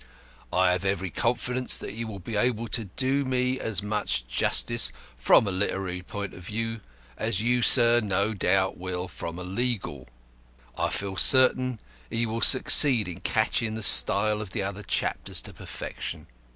I have every confidence he will be able to do me as much justice, from a literary point of view, as you, sir, no doubt will from a legal. I feel certain he will succeed in catching the style of the other chapters to perfection."